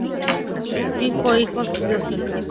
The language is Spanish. Cinco hijos y dos hijas.